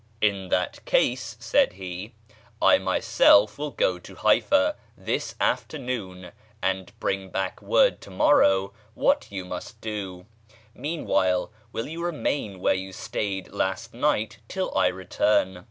"In that case," said he, "I myself will go to Haifá this afternoon and bring back word tomorrow what you must do. Meanwhile will you remain where you stayed last night till I return?"